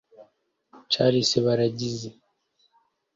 Charles Balagizi